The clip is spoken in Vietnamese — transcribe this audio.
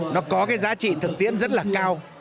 nó có cái giá trị thực tiễn rất là cao